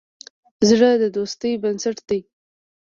زړه د دوستی بنسټ دی.